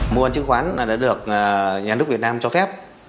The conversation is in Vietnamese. mua chứng khoán đã được nhà nước việt nam cho phép